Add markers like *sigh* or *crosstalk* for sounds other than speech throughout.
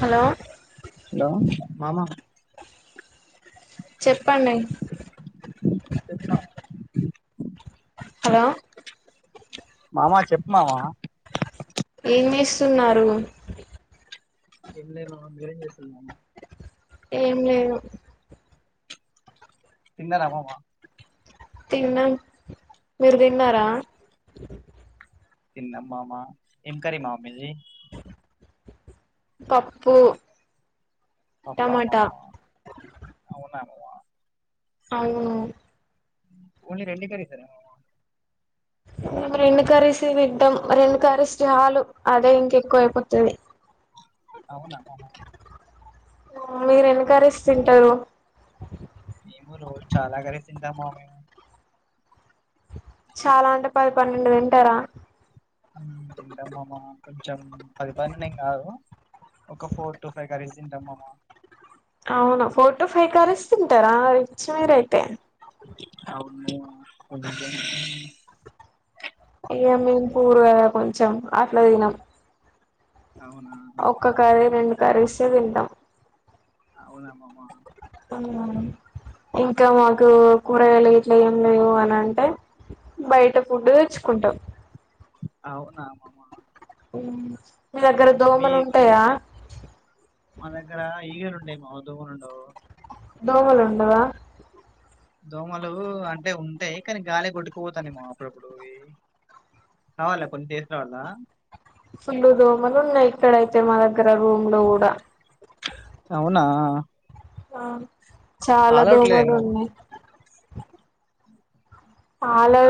Hello hello మామ చెప్పండి hello మామా చెప్పు మామా ఏం చేస్తున్నారు *unintelligible* ఏం లేదు తిన్నారా మామ తిన్నాం మీరు తిన్నారా తిన్న మామ ఏం కర్రీ మామ మీది పప్పు టమాటా ప్పమమ అవునా మామ అవు ఓన్లీ *unintelligible* మేము రెండు కర్రీస్ తింటాం రెండు కర్రీస్ చాలు అదే ఇంక ఎక్కువ అయిపోతుంది అవునా మీరు ఎన్ని కర్రీస్ తింటారు మేము రోజు చాలా కరే తింటాం మామేనా చాలా అంటే పది పన్నెండు తింటార తింటామ్మామ కొంచెం పది పన్నెండు ఏం కాదు ఒక ఫోర్ తఫ గారిజిందమ్మమ్మా అవునా ఫోర్టో ఫై కరీస్ తింటారా అ సరే అయితే కొ ఏ మం పూరు కదా కొంచెం అట్లా తినం అవును ఒక్క కర్రీ రెండు కర్రీసే తింటాం అవునామమా ఇంకా మాకు కూరగాయలు ఇట్లా ఏం లేవు అని అంటే బయట ఫుడ్ తెచ్చుకుంటాం అవునా ఉ మీ దగ్గర మీ దోమలు ఉంటాయా మా దగ్గర ఈగలు ఉండయి మా దోమలు ఉండవు దోమలు ఉండవా దోమలు అంటే ఉంటాయి కానీ గాలికి కొట్టుకుపోతానేేమో అప్పుడప్పుడు కావాలా కొన్ని తీసుకురావాలా ఫుల్లు దోమలు ఉన్నాయ్ ఇక్కడయితే మా దగర రూమ్ లో గూడా అవునా ఆ చాలా ఆల్ అవుట్ దోమలు లేదేమో ఉన్నాయ్ *inaudible*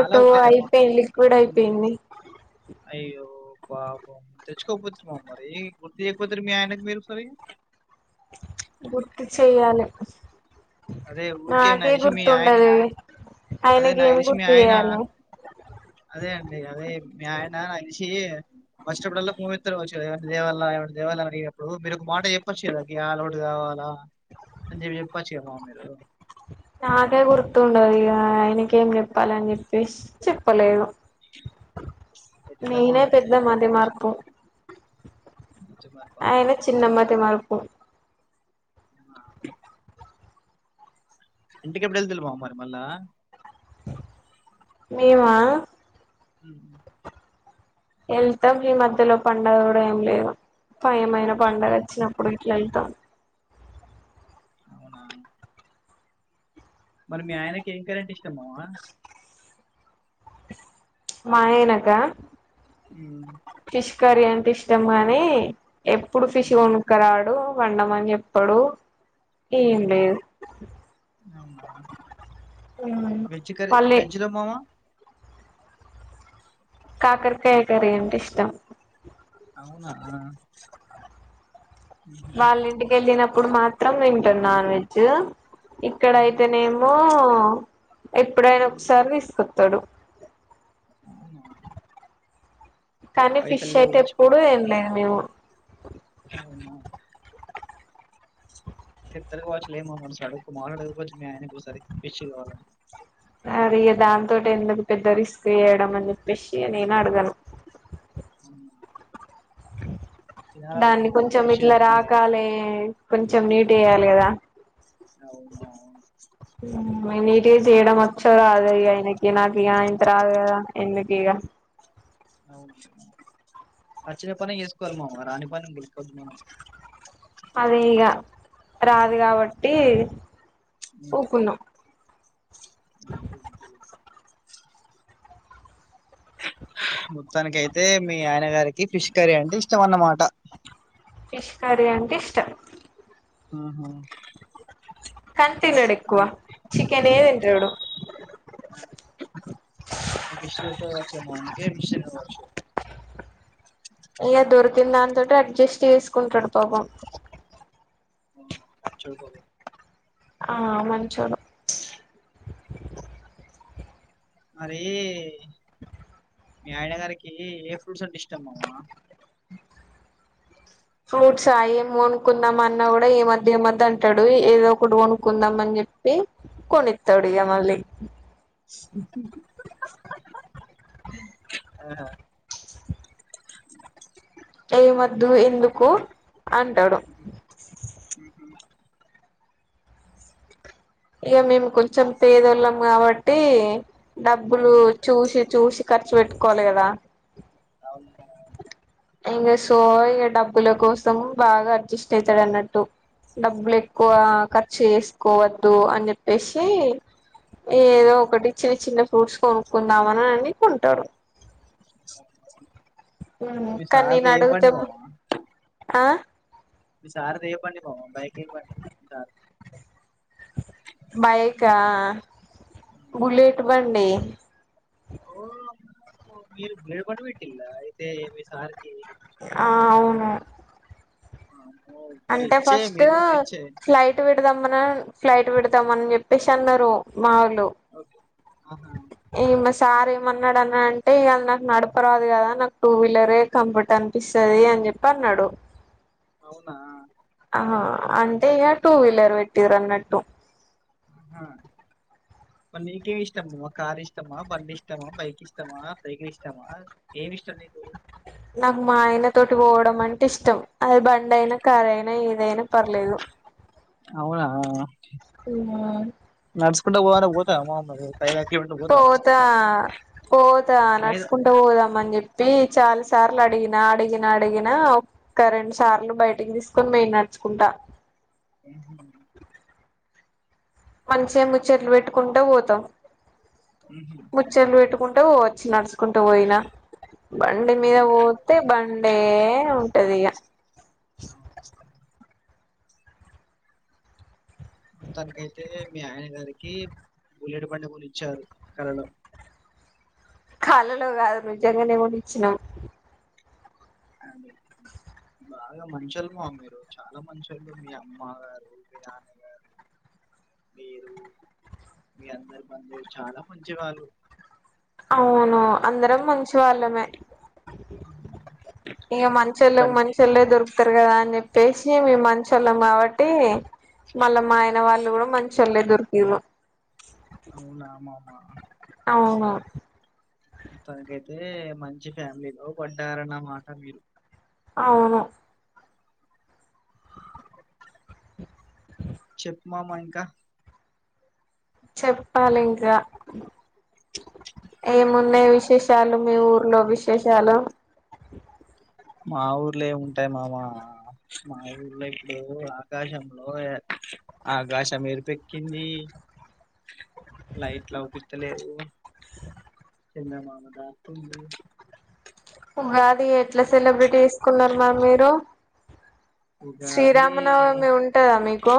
ఆల్ అవుట్ లేదేమో అయిపోయింది లిక్విడ్ ఉమ్, అయిపోయింది అయ్యో పాపం తెచ్చుకోకపోతిరి మా మరి గుర్తు చేయకపోతిరీ మీ ఆయనకి మీరు ఒకసారి గుర్తు చెయాలె అదే ఓకే ఉన్ను నాకు దెలిషి మీ అదే ఆయనకి ఏం నాకు గుర్తు ఆయన చేయాలి అదే అండి అదే మీ ఆయన వష్టపడలా భూమిస్త వచ్చు ఎవ దేవాల ఎవ దేవాలయ *unintelligible* ఇప్పుడు మీరు ఒక మాట చెప్పచ్చ గదా ఇగ అలౌట్ గావాలా అని జెప్పచ్చు *unintelligible* మీరు నాకే గుర్తండదు ఇగ ఆయినకేం జేప్పాల అని చెప్పేసి చెప్పలేదు ఎట్లా నేనే మామ ఎట్లా పెద్ద అయితే మతి మర్పుం వచ్చి మరి బా ఆయన మామ చిన్న మతి మర్పు ఆ ఇంటికిప్పుడు వెళ్తుల్లు మామ మరి మళ్ళా మేమా ఉ ఎళ్తాం ఈ మధ్యలో పండగ గూడ ఏం లేవు ఫయమైన పండగ వచ్చినప్పుడు ఇట్లా వెళ్తాం అవునా మరి మీ ఆయనకి ఏం కరీ ఇష్టంమమా మా ఆయన క ఉ పిష్ కరీ అంటే ఇష్టం గానీ ఎప్పుడు ఫిష్ ఉమ్, కొనకరాడు వండమని జెప్పడు ఊహు అవునా మ్ వెజ్ కర్రీ మళ్ళీ వెజ్ లో మామ కాకరకాయ్ కరీ అంటే ఇష్టం అవునా వాళ్ళ ఇంటికి వెళ్ళినప్పుడు మాత్రం వింటాన్ నాన్ వెజ్ ఉమ్హు, ఇక్కడయితేనేమో ఎప్పుడైనా ఉమ్, ఒకసారి తీసు తడు అవునా కానీ ఫిష్ పైసలు లేవు అయితే ఎప్పుడు తినలేదు మేము అవును తెత్తర్ కావచ్చులే మామ సడక్ *unintelligible* చెపొచ్చు మీ ఆయన ఒకసారి ఫిష్ కావాలని అరి దానితోటి ఎందుకు పెద్ద రిస్క్ చేయడం అని చెప్పేసి నేను అడగాను. అ దాన్ని కొంచెం ఫిష్ ఇట్లా తినాలే రాకాలే కొంచెం నీట్ చేయాలి. కదా అవును నీటిగా చేయడం వచ్చో రాదో ఆయనకి నాక్ ఇగా అయింత రాదు కదా ఎందుకు ఇగ అవునా వచ్చిన పని చేసుకోవాలి మామ రాని పని గెల్ కోద్దు మనం అదే ఇగ రాదు కాబట్టి ఉమ్, ఉకున్నాం అంతే అంతే మొత్తానికి అయితే మీ ఆయన గారికి ఫిష్ కర్రీ అంటే ఇష్టం అన్నమాట ఫిష్ కర్రీ అంటే ఇష్టం ఆహా *unintelligible* కానీ తినడు ఎక్కువ చికెనే తింటాడు ఇగా ఫిష్ దొరకదు కావచ్చు మావోనికి *unintelligible* ఇగ దొరికిన దాంతోటె అడ్జస్ట్ చేసుకుంటడు పాపం. మంచోడు పాపం ఆ మంచోడు మరి మీ ఆయన గారికి ఏ ఫ్రూట్స్ అంటే ఇష్టం మామ ఫ్రూట్స్ ఆ ఏం కోనుకుందాం అన్నా కూడా ఏమొద్దు ఏమొద్దు అంటాడు ఏదో ఒకటి కొనుక్కుందాం అని చెప్పి కొనిత్తాడు ఇగ మళ్లీ ఆహా ఏమొద్దు ఎందుకు అంటడు ఇగా మేము కొంచెం పేదోళ్ళం కాబట్టి డబ్బులు చూసి చూసి ఖర్చు పెట్టుకోవాలి కదా అవునా ఇంగ సో ఇగ డబ్బుల కోసం బాగా అడ్జస్ట్ అయితడు అన్నట్టు డబ్బులు ఎ ఎక్కువ ఖర్చు చేస్ కోవద్దు అని చెప్పేషి ఏదో ఒకటి చిన్న చిన్న ఫ్రూట్స్ కోనుక్కుందామని అని కొంటారు. హ్మ్ మీ కానీ సార్ది నేను ఏం బండి అడుగ్తేమె మామ ఆ మీ సార్ది ఏ బండి మామ బైక్ ఏ బండి సార్ బైకా బుల్లెట్ బండ్ డి ఓ మీరు బుల్లెట్ బండి పెట్టిలా అయితే మీ సార్ కి ఆ అవును ఆ అంటే ఫస్ట్ ఫ్లైట్ పెట్టి పెడదామన ఫ్లైట్ పెడదాం అని చెప్పేసి అన్నారు మా వొళ్ళు ఓకే ఆహా! ఈ మా సార్ ఏమన్నాడుని అంటే ఇ నాకు నడపరాదు కదా నాకు టూ విల్లర్ కంఫర్ట్ అనిపిస్తుది అని చెప్పి అన్నాడు అవునా ఆ అంటే ఇగ టూ వీలర్ పెట్టిరు అన్నట్టు ఆహా! మరి నీకేమి ఇష్టంము కార్ ఇష్టమా బండి ఇష్టమా బైక్ ఇష్టమా సైకిల్ ఇష్టమా ఏమి ఇష్టం నీకు నాకు మాయన తోటి పోవడం అంటే ఇష్టం అది బండి అయినా కార్ అయినా ఏదైనా పర్లేదు అవునా ఉమ్ నడుచుకుంటా పో అంటే పోతావా మామ మరి ఐదు ఆరు కిలోమీటర్లు పోతావా పోతా నడుచుకుంటా? పోతా ఐదా నడుచకుంటా పోదాం అని చెప్పి చాలాసార్లు ల అడిగినా అడిగినా అడిగినా ఒ రెండు సార్లు బయటికి తీసుకొని పోయిండు నడుచుకుంటా ఉ మంచి ముచ్చట్లు పెట్టుకొంటు పోతాం హుహు. ముచ్చట్లూ పెట్టుకుంటు టు వచ్చినడు కుంటూ పోయినా బండి మీద పోతే అవునవునులే. బండే ఉంటది ఇగ తనకైతే మీ ఆయన గారికి బుల్లెట్ బండి కొనించారు కలల్లో కలలో కాదు నిజంగానే కొనించినా అడ్ బాగా మంచోలు మా మీరు చాలా మంచోళు మీ అమ్మగారు మీ నాన్నగారు మీరు మీ అందరు బంధువులు చాలా మంచివాళ్ళు అవును అందరం మంచి వాళ్ళమే ఇగ మంచిలకి మొత్తానికి మంచోలే దొరుకుతారు కదండీ అని చెప్పేసి మేము మంచి వాళ్ళం కాబట్టి మళ్ళా మా ఆయన వాళ్ళు కూడా మంచి వాళ్ళు దొరికిరూ అవునామ ఆ అవునా మొత్తానికైతే మంచి ఫ్యామిలీలో పడ్డారన్నమాట మీరు అవును చెప్పు మామా ఇంకా చెప్పాలి ఇంకా ఏమున్నాయి విశేషాలు చాలు మీ ఊర్లో విష్ విషయాలు మా ఊర్లో ఏముంటాయి మామా మా ఊర్లో ఇప్పుడు ఆకాశంలో ఆకాశం *unintelligible* ఎరుపెక్కింది లైట్లాపి ఇంట్లలేదు చందమామ దాకుంది ఉగాది ఎట్లా సెలబ్రేటీ తీసుకున్నారు మ్యామ్ మీరు ఉగాది శ్రీరామనవమి ఉంటాదా మీకు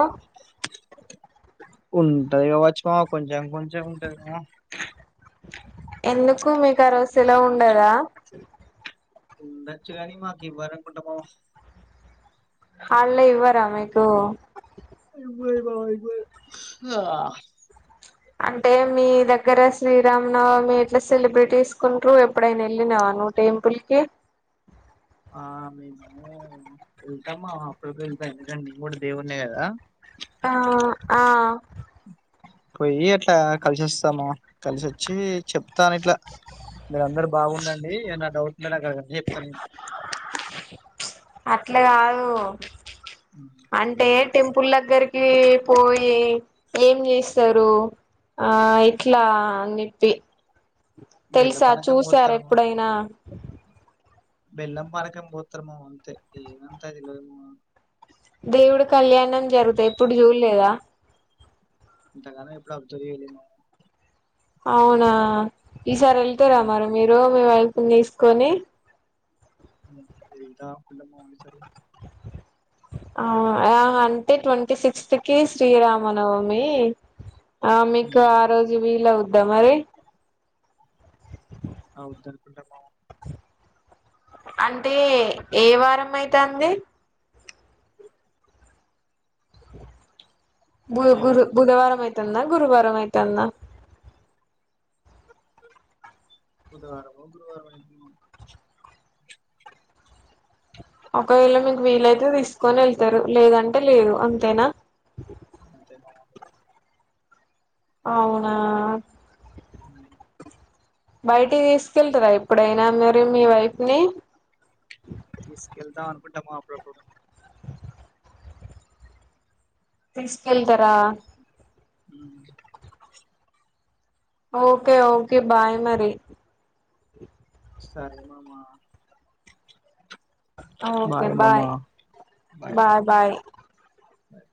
ఉంటాది కావచ్చు మామా కొంచెం కొంచెం ఉంటాదిగా ఎందుకు మీకు ఆరోజూ సెలవు ఉండదా ఉండోచ్చు కాని మాక్ ఇవ్వరనుకుంటా మామ్ హల్ లెవ్ ఇవ్వరా మీకు ఇ బాబ ఇపో *unintelligible* అంటే మీ దగ్గర శ్రీరామ నవమి ఎట్లా సెలబ్రేట్ చేసుకుంటూరు ఎప్పుడైనా వెళ్ళిన్నావ నువ్వు టెంపుల్ కి ఆ మేము వెళ్తమ్ మామ అప్పుడపు ఎల్తా ఎందుకంటే నేన్ కూడా దేవునే కదా ఆ ఆ పోయి అట్లా కలిసి వస్తాము కలిసోచ్చి చెప్తాను ఇట్లా మీరు అందరు బాగుందండ్ ఏ నా డౌట్ లోనే అడగండి *unintelligible* కద చెప్తాను నేన్ అట్ల కాదు ఉమ్. అంటే టెంపుల్ దగ్గరిక్ కి పోయి ఏం జెస్తరు ఆ ఇట్లా అన్ జెప్పి బెల్లం తెలుసా పానకం చూసారా పోత్తాము ఎప్పుడైనా బెల్లం పనకం పొత్తరు మామ అంతే ఏమంతా తెలవదు మామ దేవుడు కళ్యాణం జరుగుతాయ్ ఎప్పుడు జుల్లేదా ఇంతగానం ఎప్పుడు అబ్సర్ చేయాలె మామ అవునా ఈసారి వెళ్తారా ఉమ్. మరి మీరు మీ వైఫ్ నేసుకొని ఎల్తా *unintelligible* డెల్టా కులామో అనుసరి ఆ అ అంటే ట్వంటీ సిక్స్త్ కి శ్రీరామనవమి ఆ మీకు ఆ రోజు వీల్ అవ్ దమరి అవుదన్ కుంట మామ అంటే ఏ వారం ఐతంది *inaudible* బు ఏ గుర్ వారం వెళ్తున్నాము బుధవారం అయితందా గురువారం అయితందా బుధవారమో గురువారమో ఐతున్న ఒకవేళ మీకు వీలయితే తీసుకొని వెళ్తారు లేదంటే లేదు అంతేనా అంతే మ అంతే అవునా మ్ బయటికి తీసుకెళ్తారా ఎప్పుడైనా మీరి మీ వైఫ్ ని తీసుకెళ్తా అనుకుంటామా అప్పుడప్పుడు తీసుకెళ్తారా హ్మ్మ్ ఓకే ఓకే బాయ్ మరి సరే మామా okay bye bye bye bye